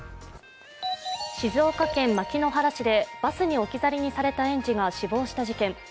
静岡県牧之原市でバスに置き去りにされた園児が死亡した事件。